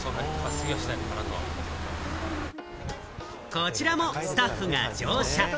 こちらもスタッフが乗車。